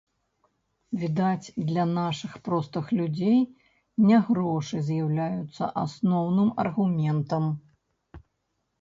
Відаць, для нашых простых людзей не грошы з'яўляюцца асноўным аргументам!